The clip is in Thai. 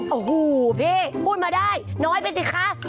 โอ้โหพี่พูดมาได้น้อยไปสิคะ